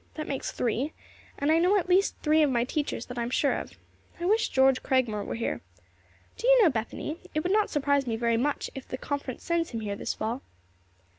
That makes three, and I know at least three of my teachers that I am sure of. I wish George Cragmore were here. Do you know, Bethany, it would not surprise me very much if the Conference sends him here this fall?"